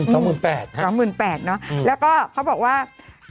สองหมื่นแปดฮะสองหมื่นแปดเนอะแล้วก็เขาบอกว่า